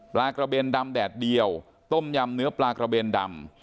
ปลากระเบนดำแดดเดียวต้มยำเนื้อปลากระเบนดำ